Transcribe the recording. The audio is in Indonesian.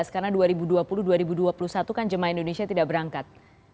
karena dua ribu dua puluh dua ribu dua puluh satu kan jemaah indonesia tidak berangkat